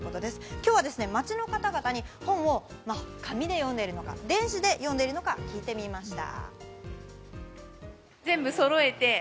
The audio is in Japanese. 今日は街の方々に本を紙で読んでいるか、電子で読んでいるのか聞いてみました。